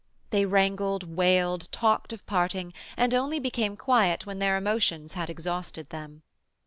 They wrangled, wailed, talked of parting, and only became quiet when their emotions had exhausted them.